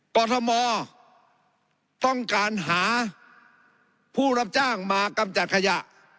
กรทมต้องการหาผู้รับจ้างมากำจัดขยะ